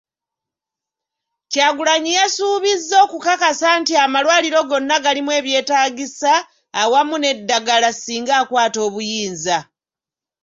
Kyagulanyi yasuubizza okukakasa nti amalwaliro gonna galimu ebyetaagisa awamu n'eddagala singa akwata obuyinza.